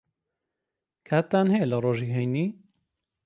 کاتتان ھەیە لە ڕۆژی ھەینی؟